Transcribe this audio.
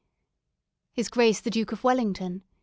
B. His Grace the Duke of Wellington.